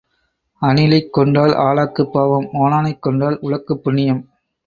அணிலைக் கொன்றால் ஆழாக்குப் பாவம் ஓணானைக் கொன்றால் உழக்குப் புண்ணியம்.